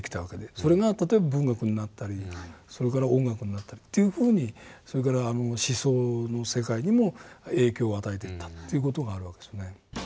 それが例えば文学になったり音楽になったりというふうにそれから思想の世界にも影響を与えていったという事があるわけですよね。